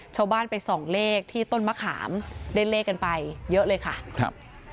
ชาวบ้านไปส่องเลขที่ต้นมะขามได้เลขกันไปเยอะเลยค่ะครับ